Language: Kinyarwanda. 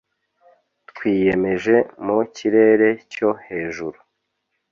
Twiyemeje mu kirere cyo hejuru